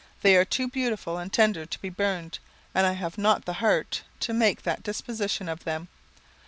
They are too beautiful and tender to be burned and I have not the heart to make that disposition of them.